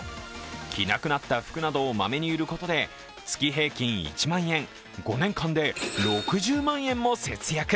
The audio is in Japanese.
着なくなった服などをまめに売ることで月平均１万円、５年間で６０万円も節約。